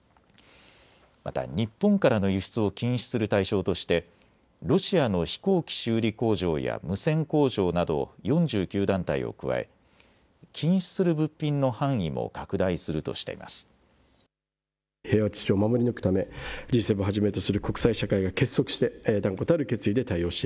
また日本からの輸出を禁止する対象としてロシアの飛行機修理工場や無線工場など４９団体を加え禁止する物品の範囲も拡大するとしています。